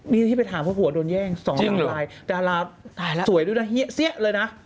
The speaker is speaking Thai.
นี่พี่ไปทำเพราะหัวโดนแย่งสองหลายดาราสวยด้วยนะเหี้ยเสี้๊ะเลยนะ